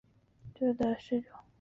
自由党掌权的时日不久。